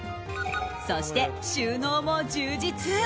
そして、収納も充実。